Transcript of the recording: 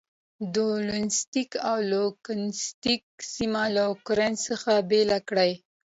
د دونیتسک او لوګانسک سیمې له اوکراین څخه بېلې کړې.